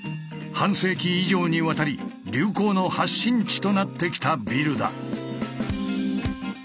半世紀以上にわたり流行の発信地となってきたビルだ。